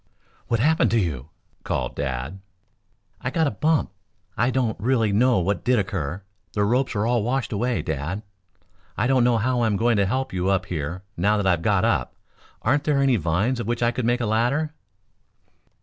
"What happened to you?" called Dad. "I got a bump. I don't really know what did occur. The ropes are all washed away, Dad. I don't know how I'm going to help you up here now that I have got up. Aren't there any vines of which I could make a ladder?"